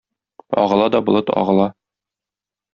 Агыла да болыт агыла.